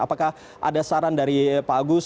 apakah ada saran dari pak agus